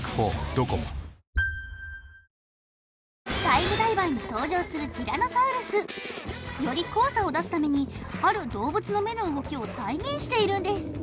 タイムダイバーに登場するティラノサウルスより怖さを出すためにある動物の目の動きを再現しているんです